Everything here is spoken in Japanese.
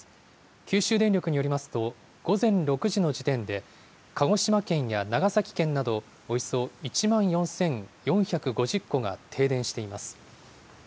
九州電力によりますと、午前６時の時点で、鹿児島県や長崎県など、およそ１万４４５０戸が停電しています。